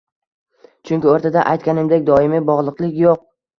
Chunki oʻrtada aytganimdek doimiy bogʻliqlik yoʻq.